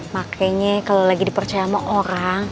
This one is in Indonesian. makanya kalau lagi dipercaya sama orang